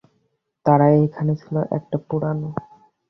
তারা এখানে ছিল, একটা পুরানো।